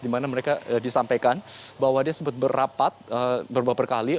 di mana mereka disampaikan bahwa dia sempat berrapat beberapa kali